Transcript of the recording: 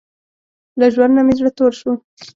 له ژوند نۀ مې زړه تور شو